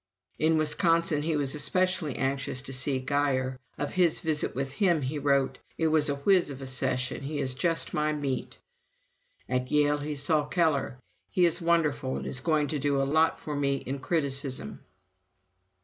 In Wisconsin he was especially anxious to see Guyer. Of his visit with him he wrote: "It was a whiz of a session. He is just my meat." At Yale he saw Keller. "He is a wonder and is going to do a lot for me in criticism."